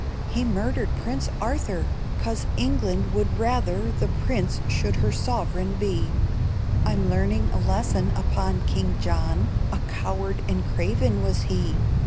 He murdered Prince Arthur, 'Cause England would rather The Prince should her sovereign be. I'm learning a lesson upon King John: A coward and craven was he.